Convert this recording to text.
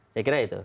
saya kira itu